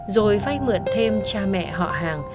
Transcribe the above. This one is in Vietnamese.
rồi vay mượn thêm cha mẹ họ hàng